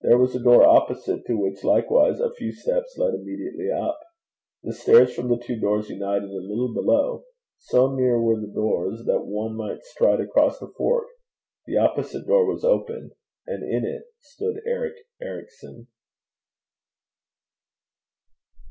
There was a door opposite, to which likewise a few steps led immediately up. The stairs from the two doors united a little below. So near were the doors that one might stride across the fork. The opposite door was open, and in it stood Eric Ericson. CHAPTER VII. ERIC ERICSON.